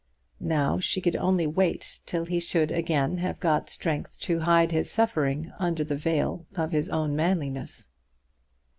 Now she could only wait till he should again have got strength to hide his suffering under the veil of his own manliness.